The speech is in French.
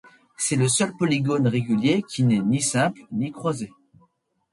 C'est le seul polygone régulier qui n'est ni simple, ni croisé.